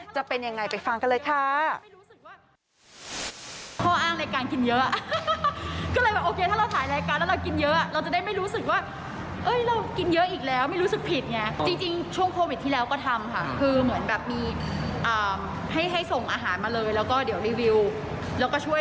จะเป็นยังไงไปฟังกันเลยค่ะ